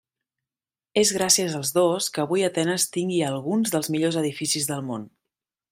És gràcies als dos que avui Atenes tingui alguns dels millors edificis del món.